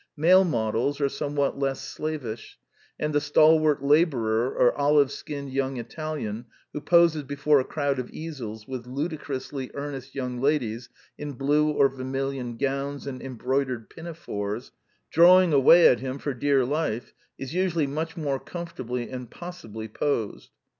Male models are some what less slavish; and the stalwart laborer or olive skinned young Italian who poses before a crowd of easels with ludicrously earnest young ladies in blue or vermilion gowns and embroi dered pinafores, drawing away at him for dear life, is usually much more comfortably and possi bly posed.